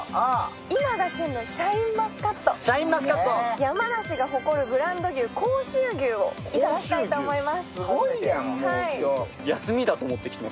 今が旬のシャインマスカット山梨が誇るブランド牛、甲州牛をいただきたいと思います。